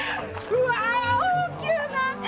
うわ大きゅうなって！